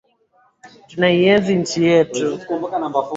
Tunaienzi nchi yetu.